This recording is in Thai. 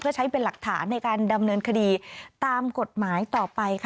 เพื่อใช้เป็นหลักฐานในการดำเนินคดีตามกฎหมายต่อไปค่ะ